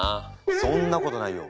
そんなことないよ。